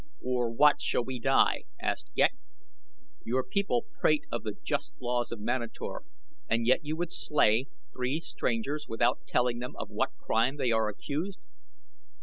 "For what shall we die?" asked Ghek. "Your people prate of the just laws of Manator, and yet you would slay three strangers without telling them of what crime they are accused."